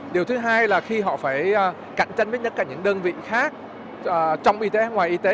điều thứ hai là khi họ phải cạnh tranh với những đơn vị khác trong y tế hay ngoài y tế